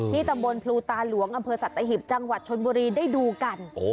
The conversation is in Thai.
ตำบลพลูตาหลวงอำเภอสัตหิบจังหวัดชนบุรีได้ดูกัน